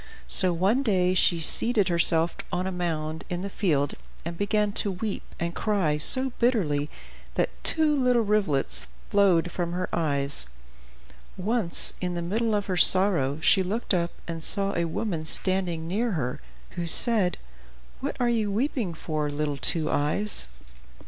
So one day she seated herself on a mound in the field, and began to weep and cry so bitterly that two little rivulets flowed from her eyes. Once, in the midst of her sorrow she looked up, and saw a woman standing near her who said, "What are you weeping for, little Two Eyes?"